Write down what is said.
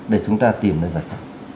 để chúng ta tìm ra giải pháp